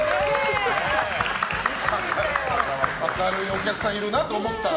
明るいお客さんいるなと思ったら。